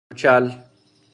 مچل